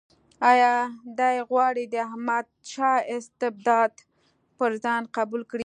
آیا دی غواړي د احمدشاه استبداد پر ځان قبول کړي.